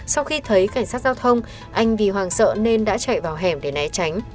sau khi thấy cảnh sát giao thông anh vì hoàng sợ nên đã chạy vào hẻm để né tránh